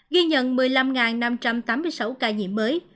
ghi nhận một mươi năm năm trăm tám mươi sáu ca nhiễm mới